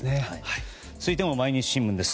続いても毎日新聞です。